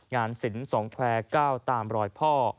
ศิลป์สองแควร์๙ตามรอยพ่อ